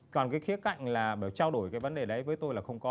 còn cái khía cạnh là trao đổi cái vấn đề đấy với tôi là không có